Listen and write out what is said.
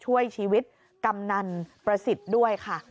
ช่วยชีวิตกำนันประสิทธิ์ด้วยค่ะ